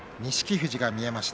富士が見えました。